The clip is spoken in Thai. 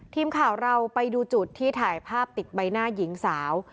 ทีมข่าวเราไปดูจุดที่ถ่ายภาพติดใบหน้าหญิงสาว